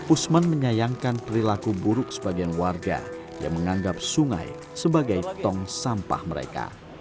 usman menyayangkan perilaku buruk sebagian warga yang menganggap sungai sebagai tong sampah mereka